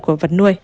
của vật nuôi